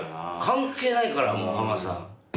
関係ないからもう浜田さん。